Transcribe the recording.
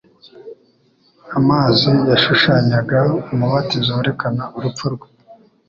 Amazi yashushanyaga umubatizo werekana urupfu rwe,